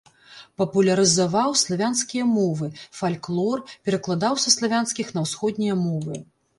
Папулярызаваў славянскія мовы, фальклор, перакладаў са славянскіх на ўсходнія мовы.